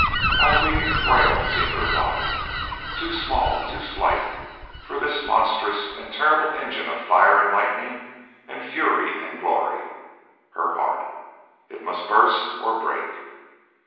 How weak and frail seemed her body too small, too slight for this monstrous and terrible engine of fire and lightning and fury and glory her heart! It must burst or break.